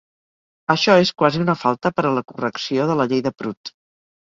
Això és quasi una falta per a la correcció de la llei de Prout.